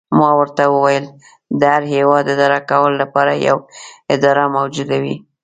ما ورته وویل: د هر هیواد اداره کولو لپاره یوه اداره موجوده وي.